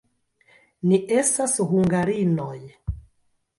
Ni estas hungarinoj.